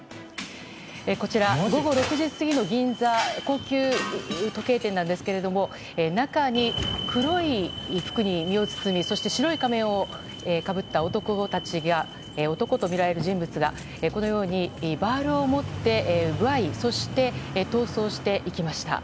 こちら、午後６時過ぎの銀座高級時計店なんですが中に、黒い服に身を包みそして、白い仮面をかぶった男とみられる人物らがこのようにバールを持って奪いそして、逃走していきました。